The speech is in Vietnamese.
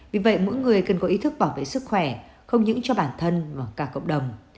vì vậy mỗi người cần có ý thức bảo vệ sức khỏe không những cho bản thân mà cả cộng đồng